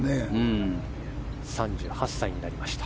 ３８歳になりました。